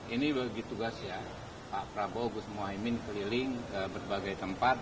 ini bagi tugas ya pak prabowo gus muhaymin keliling ke berbagai tempat